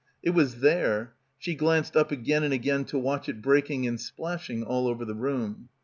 It was there ; she glanced up again and again to watch it breaking and splashing all over the room.